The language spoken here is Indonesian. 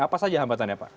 apa saja hambatannya pak